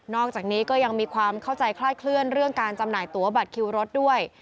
อกจากนี้ก็ยังมีความเข้าใจคลาดเคลื่อนเรื่องการจำหน่ายตัวบัตรคิวรถด้วย